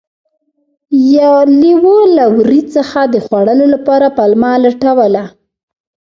لیوه له وري څخه د خوړلو لپاره پلمه لټوله.